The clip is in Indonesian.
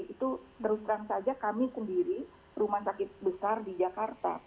itu terus terang saja kami sendiri rumah sakit besar di jakarta